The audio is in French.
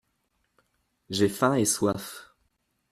J’ai faim et soif.